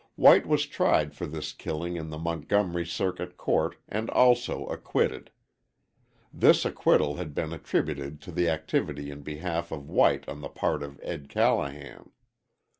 White was tried for this killing in the Montgomery Circuit Court and also acquitted. This acquittal had been attributed to the activity in behalf of White on the part of Ed. Callahan.